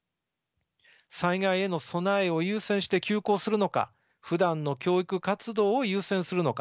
災害への備えを優先して休校するのかふだんの教育活動を優先するのか。